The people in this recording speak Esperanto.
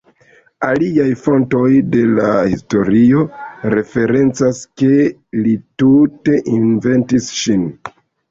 Aliaj fontoj de la historio referencas ke li tute inventis ŝin.